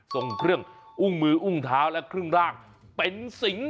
ส่งเครื่องอุ้งมืออุ้งเท้าและครึ่งร่างเป็นสิง